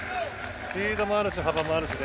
スピードもあるし幅もあるしね。